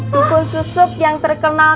dukun susup yang terkenal